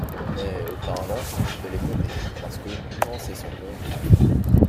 Mais, auparavant, je vais les compter… parce que, quand on sait son compte…